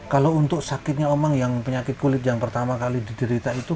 kalau untuk sakitnya omang yang penyakit kulit yang pertama kali diderita itu